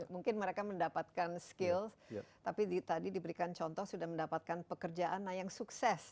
mungkin mereka mendapatkan skills tapi tadi diberikan contoh sudah mendapatkan pekerjaan yang sukses